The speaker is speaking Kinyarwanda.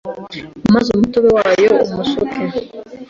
maze umutobe wayo uwusuke